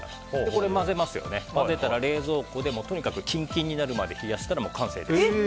これ混ぜたら、冷蔵庫でキンキンになるまで冷やしたら完成です。